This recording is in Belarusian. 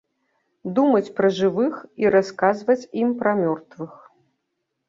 Думаць пра жывых і расказваць ім пра мёртвых.